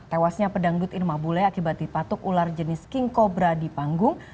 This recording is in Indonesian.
tewasnya pedangdut irma bule akibat dipatuk ular jenis king cobra di panggung